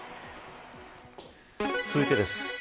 続いてです。